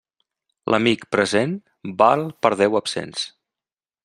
L'amic present val per deu absents.